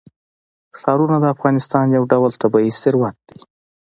ښارونه د افغانستان یو ډول طبعي ثروت دی.